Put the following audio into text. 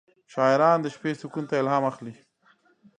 شاعران د شپې سکون ته الهام اخلي.